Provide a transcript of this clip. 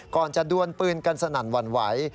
ก่อนจะดวนปืนกันสนั่นหวั่นไหว